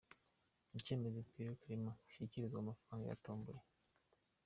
Cyemezo Pierre Clement ashyikirizwa amafaranga yatomboye.